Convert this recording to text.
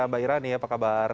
mbak irani apa kabar